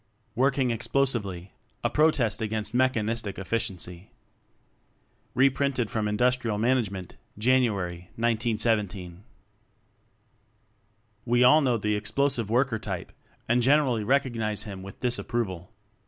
Working Explosively A Protest Against Mechanistic Efficiency By William Henry Smyth (Reprinted from Industrial Management, January, 1917.) We all know the Explosive Worker type and generally recognize him with disapproval.